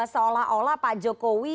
seolah olah pak jokowi